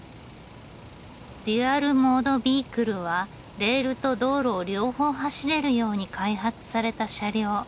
デュアル・モード・ビークルはレールと道路を両方走れるように開発された車両。